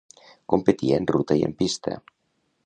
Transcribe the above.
Competia en ruta i en pista.